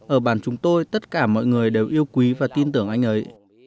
ở bàn chúng tôi tất cả mọi người đều yêu quý và tin tưởng anh ấy